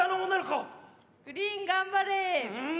グリーン頑張れ！ん！